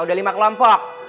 udah lima kelompok